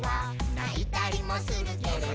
「ないたりもするけれど」